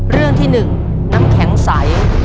เรื่องที่๑น้ำแข็งใส